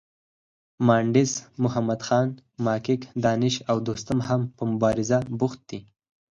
مانډس محمدخان، ماکیک، دانش او دوستم هم په مبارزه بوخت دي.